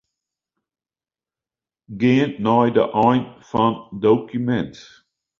Gean nei de ein fan dokumint.